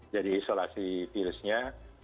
jadi isolasi virusnya